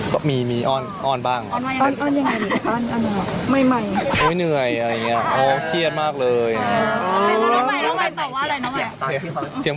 วันนี้เหนื่อยมากเลย